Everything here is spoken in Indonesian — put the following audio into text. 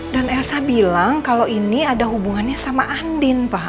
dan elsa bilang kalau ini ada hubungannya sama andin pak